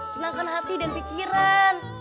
tenangkan hati dan pikiran